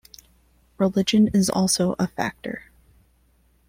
Religion is also a factor.